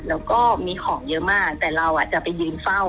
แล้วก็มีของเยอะมากแต่เราจะไปยืนเฝ้า